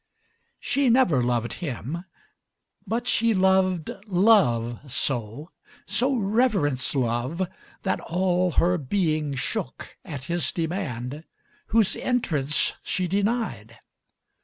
She never loved him; but she loved Love so, So reverenced Love, that all her being shookAt his demand whose entrance she denied.